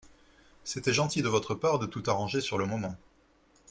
C’était gentil de votre part de tout arranger sur le moment.